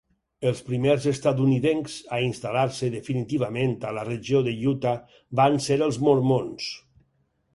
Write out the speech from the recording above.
Els primers estatunidencs a instal·lar-se definitivament a la regió de Utah van ser els mormons.